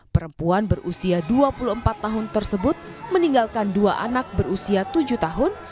perempuan berusia dua puluh empat tahun tersebut meninggalkan dua anak berusia tujuh tahun